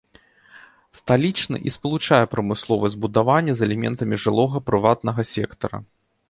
Сталічны і спалучае прамысловыя збудаванні з элементамі жылога прыватнага сектара.